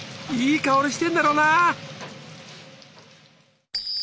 いい香りしてんだろうな。